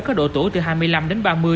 có độ tuổi từ hai mươi năm đến ba mươi